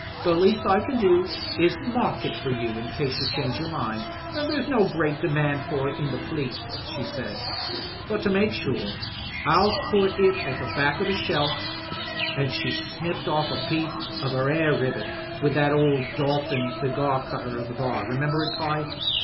'The least I can do is to mark it for you in case you change your mind. There's no great demand for it in the Fleet,' she says, 'but to make sure I'll put it at the back o' the shelf,' an' she snipped off a piece of her hair ribbon with that old dolphin cigar cutter on the bar — remember it, Pye?